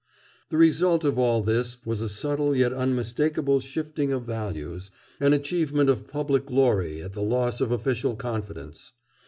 The result of all this was a subtle yet unmistakable shifting of values, an achievement of public glory at the loss of official confidence.